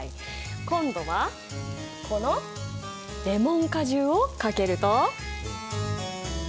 今度はこのレモン果汁をかけると。